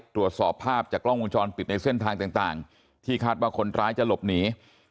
ตรวจสอบภาพจากกล้องวงจรปิดในเส้นทางต่างที่คาดว่าคนร้ายจะหลบหนี